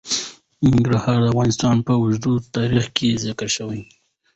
ننګرهار د افغانستان په اوږده تاریخ کې ذکر شوی دی.